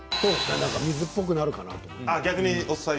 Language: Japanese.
水っぽくなるかなと。